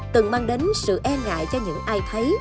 từng mang đến sự e ngại cho những ai thấy